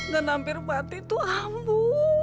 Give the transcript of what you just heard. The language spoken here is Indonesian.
dan hampir mati itu ambu